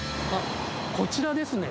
こちらですね。